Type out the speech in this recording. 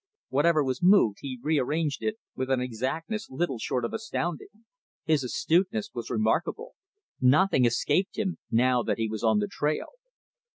Whatever was moved he rearranged it with an exactness little short of astounding. His astuteness was remarkable. Nothing escaped him, now that he was on the trail.